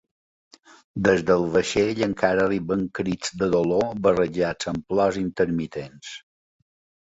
Des del vaixell encara arriben crits de dolor barrejats amb plors intermitents.